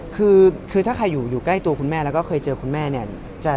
คือถ้าใครอยู่ใกล้ตัวคุณแม่แล้วก็เคยเจอคุณแม่เนี่ย